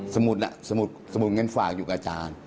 สมุดสมุดเงินฝากอยู่กับอาจารย์